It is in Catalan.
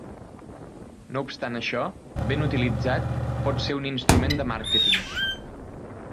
No obstant això, ben utilitzat, pot ser un instrument de màrqueting.